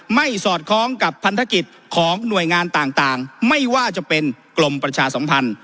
สอดคล้องกับพันธกิจของหน่วยงานต่างไม่ว่าจะเป็นกรมประชาสัมพันธ์